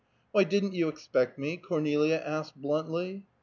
"Why, didn't you expect me?" Cornelia asked bluntly.